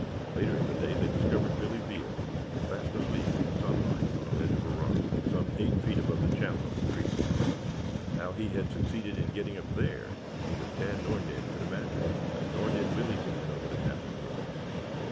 Later in the day they discovered Billy Veal fast asleep in the sunlight on a ledge of rock, some eight feet above the channel of the creek. How he had succeeded in getting up there neither Tad nor Ned could imagine, nor did Billy seem to know what had happened to him.